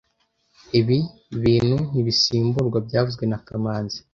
Ibi bintu ntibisimburwa byavuzwe na kamanzi